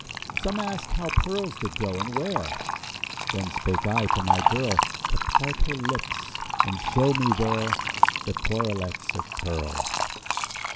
Some asked how pearls did grow, and where; Then spake I to my girl, To part her lips and show me there The quarelets of pearl.